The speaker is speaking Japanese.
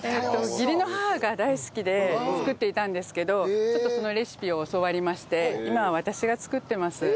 義理の母が大好きで作っていたんですけどそのレシピを教わりまして今は私が作ってます。